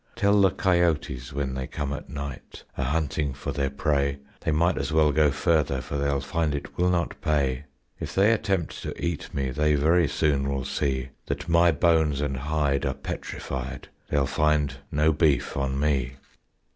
"Tell the cayotes, when they come at night A hunting for their prey, They might as well go further, For they'll find it will not pay. If they attempt to eat me, They very soon will see That my bones and hide are petrified, They'll find no beef on me.